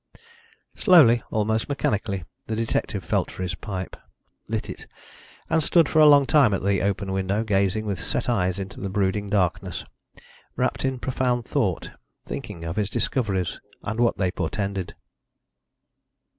Slowly, almost mechanically, the detective felt for his pipe, lit it, and stood for a long time at the open window, gazing with set eyes into the brooding darkness, wrapped in profound thought, thinking of his discoveries and what they portended.